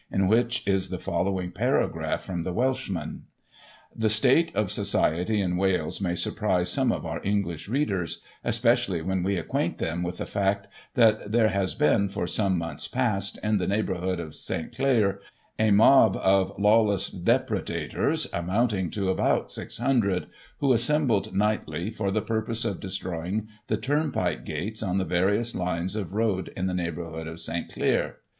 in which is the following paragraph from the Welshman :" The state of society in Wales may surprise some of our English readers, especially when we acquaint them with the fact, that there has been, for some months past, in the neigh bourhood of St. Clear, a mob of lawless depredators, amount ing to about 600, who assembled nightly, for the purpose of destroying the turnpike gates on the various lines of road in the neighbourhood of St. Clear.